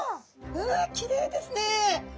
うわきれいですね！